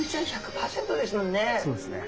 そうですね。